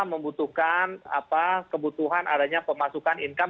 membutuhkan kebutuhan adanya pemasukan income